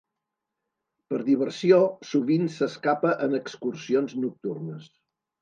Per diversió, sovint s'escapa en excursions nocturnes.